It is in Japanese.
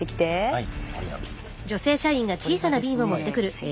はい。